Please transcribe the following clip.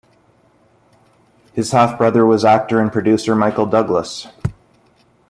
His half brother was actor and producer Michael Douglas.